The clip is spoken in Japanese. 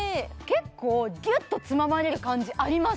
結構ギュッとつままれる感じあります